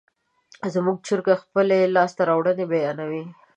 زموږ چرګه خپلې لاسته راوړنې بیانوي.